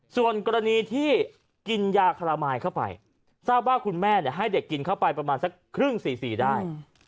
ส่วนกรณีที่กินยาคลามายเข้าไปทราบว่าคุณแม่ให้เด็กกินเข้าไปประมาณสักครึ่ง๔๔ได้